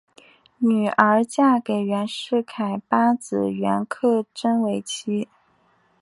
女儿嫁给袁世凯八子袁克轸为妻。